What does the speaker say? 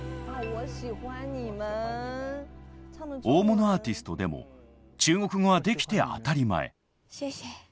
大物アーティストでも中国語はできて当たり前。